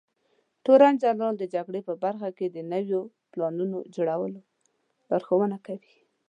تورنجنرال د جګړې په برخه کې د نويو پلانونو جوړولو لارښونه کوي.